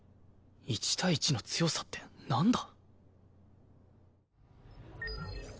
１対１の強さってなんだ？